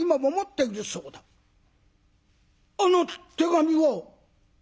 「あの手紙を！？